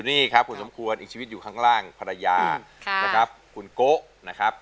อีกชีวิตอยู่ข้างล่างภรรยาคุณโกนะครับ